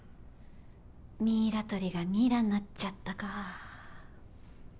ミイラとりがミイラになっちゃったかあ。